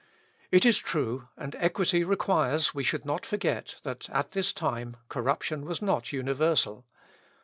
It is true, and equity requires we should not forget, that, at this time, corruption was not universal.